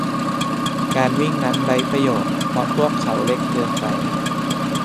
การวิ่งนั้นไร้ประโยชน์เพราะพวกเขาเล็กเกินไป